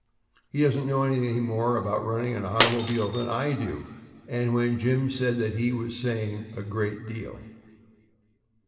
He doesn't know any more about running an automobile than I do;" and when Jim said that he was saying a great deal.